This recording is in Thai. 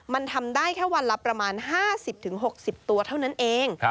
มันทำได้แค่วันละประมาณ๕๐๖๐ตัวเท่านั้นเอง